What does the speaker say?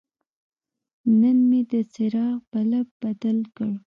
نن مې د څراغ بلب بدل کړ.